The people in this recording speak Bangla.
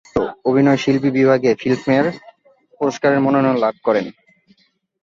এই চলচ্চিত্রে তার কাজের জন্য তিনি শ্রেষ্ঠ খল অভিনয়শিল্পী বিভাগে ফিল্মফেয়ার পুরস্কারের মনোনয়ন লাভ করেন।